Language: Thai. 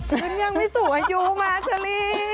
ฉันยังไม่สูงอายุมาเชอรี่